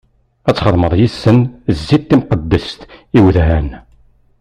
Ad txedmeḍ yis-sen zzit timqeddest i udhan.